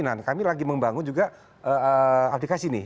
nah kami lagi membangun juga aplikasi nih